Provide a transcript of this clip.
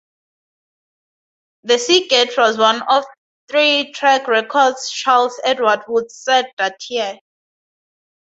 The Seagate was one of three track records Charles Edward would set that year.